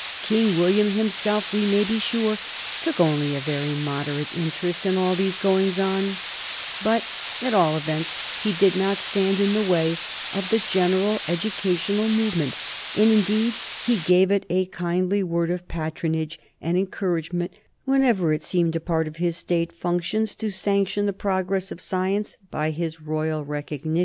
King William himself, we may be sure, took only a very moderate interest in all these goings on, but, at all events, he did not stand in the way of the general educational movement; and indeed he gave it a kindly word of patronage and encouragement whenever it seemed a part of his State functions to sanction the progress of science by his royal recognition.